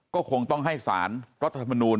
ก็คงต้องให้สารรัฐธรรมนูล